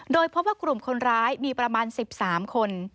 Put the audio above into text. โดยพบว่ากลุ่มคนร้ายมีประมาณ๑๓คน